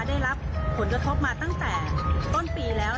ได้รับผลกระทบมาตั้งแต่ต้นปีแล้ว